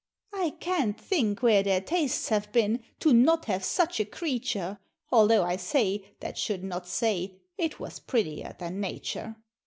I can't think where their tastes have been, to not have such a creature, Although I say, that should not say, it was prettier than nature!